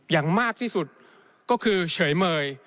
อย่างมากที่สุดก็คือเฉยเมย